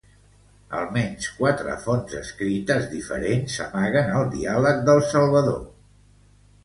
Almenys, quatre fonts escrites diferents s'amaguen al Diàleg del Salvador.